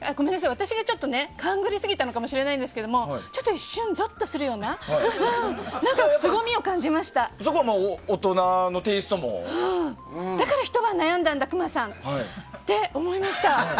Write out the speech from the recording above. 私が勘繰りすぎたのかもしれないですけどちょっと一瞬ゾッとするようなそこは大人のテイストも。だからひと晩、悩んだんだクマさんって思いました。